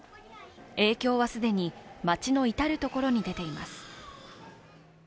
影響は既に街の至る所に出ています。